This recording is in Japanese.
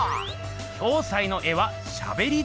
「暁斎の絵はしゃべりだす⁉」。